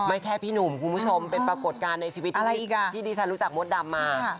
แค่พี่หนุ่มคุณผู้ชมเป็นปรากฏการณ์ในชีวิตที่ดิฉันรู้จักมดดำมา